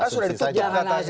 saya sudah diput jalan asumsi